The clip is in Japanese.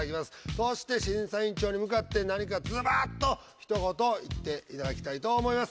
そして審査委員長に向かって何かズバッとひと言言っていただきたいと思います。